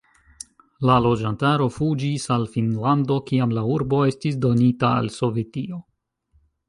La loĝantaro fuĝis al Finnlando, kiam la urbo estis donita al Sovetio.